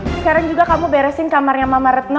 sekarang juga kamu beresin kamarnya mama retno